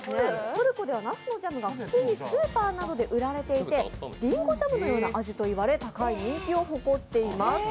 トルコではなすのジャムが普通にスーパーなどで売られていてりんごジャムのような味と言われていて高い人気を誇っています。